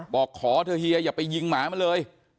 บอกขอเถอะเฮียอย่าไปยิงหมามันเลย